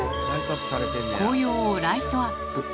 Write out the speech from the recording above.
紅葉をライトアップ。